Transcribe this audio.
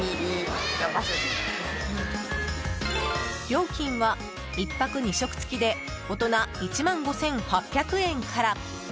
料金は１泊２食付きで大人１万５８００円から。